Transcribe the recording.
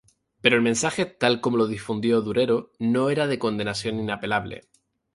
Pero el mensaje, tal como lo difundió Durero, no era de condenación inapelable.